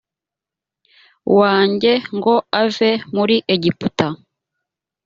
wanjye ngo ave muri egiputa